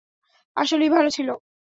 আসলেই ভালো ছিল।